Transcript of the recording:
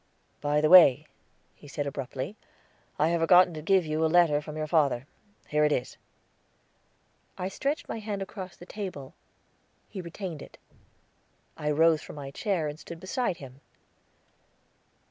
"By the way," he said abruptly, "I have forgotten to give you a letter from your father here it is." I stretched my hand across the table, he retained it. I rose from my chair and stood beside him.